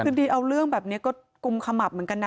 คือดีเอาเรื่องแบบนี้ก็กุมขมับเหมือนกันนะ